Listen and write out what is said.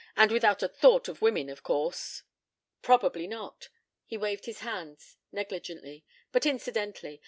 "And without a thought of women, of course." "Probably not." He waved his hand negligently. "But incidentally.